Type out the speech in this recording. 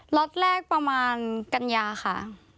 ล็อตแรกประมาณกันยาค่ะ